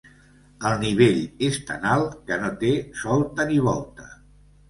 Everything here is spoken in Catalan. El nivell és tan alt, que no té solta ni volta.